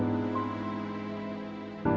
terima kasih ya